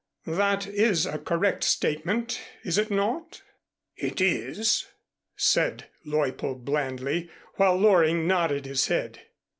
That is a correct statement, is it not?" "It is," said Leuppold blandly, while Loring nodded his head.